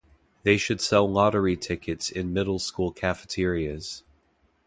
They should sell lottery tickets in middle school cafeterias.